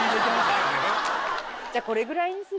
じゃあ、これぐらいにする？